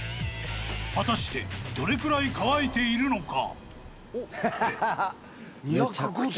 ［果たしてどれくらい乾いているのか？］